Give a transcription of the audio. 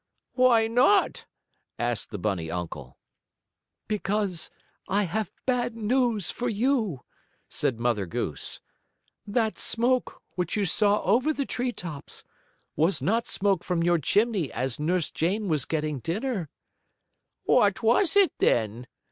"Why not?" asked the bunny uncle. "Because I have bad news for you," said Mother Goose. "That smoke, which you saw over the tree tops, was not smoke from your chimney as Nurse Jane was getting dinner." "What was it then?"